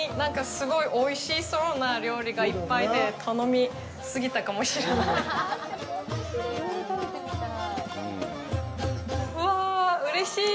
すごいおいしそうな料理がいっぱいで頼み過ぎたかもしれない。